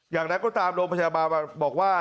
อย่างไรก็ตามโรงพยาบาลบอกว่า